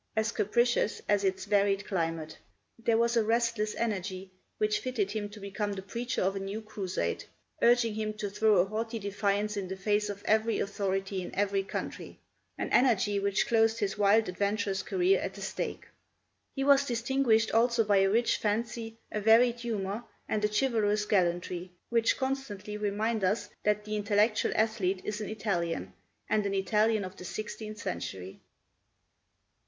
as capricious as its varied climate. There was a restless energy which fitted him to become the preacher of a new crusade urging him to throw a haughty defiance in the face of every authority in every country, an energy which closed his wild adventurous career at the stake." He was distinguished also by a rich fancy, a varied humor, and a chivalrous gallantry, which constantly remind us that the intellectual athlete is an Italian, and an Italian of the sixteenth century.